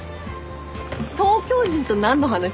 東京人と何の話すんの？